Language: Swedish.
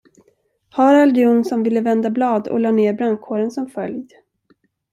Harald Jonsson ville vända blad och lade ned brandkåren som följd.